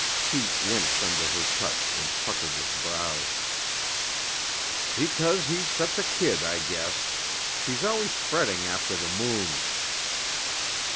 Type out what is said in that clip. Pete winced under her touch and puckered his brows. "Because he's such a kid, I guess. He's always fretting after the moon."